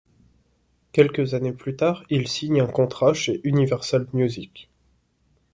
Quelques années plus tard il signe un contrat chez Universal Music.